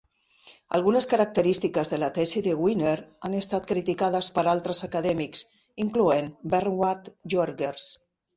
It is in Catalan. Algunes característiques de la tesi de Winner han estat criticades per altres acadèmics, incloent Bernward Joerges.